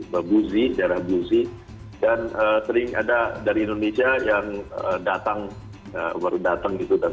bagusi secara busi dan sering ada dari indonesia yang datang baru datang itu dan